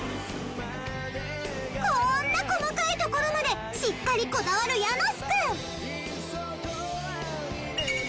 こーんな細かい所までしっかりこだわるヤノスくん。